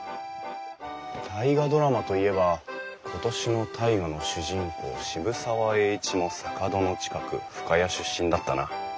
「大河ドラマ」と言えば今年の「大河」の主人公渋沢栄一も坂戸の近く深谷出身だったな。